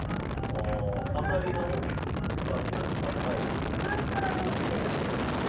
いつぐらいから料理してるんですか？